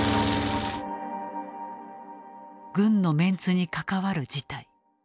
軍のメンツに関わる事態。